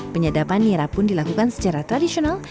penyadapan nira pun dilakukan secara tradisional